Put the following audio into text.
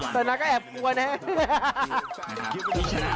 แต่น้าก็แอบกลัวนะ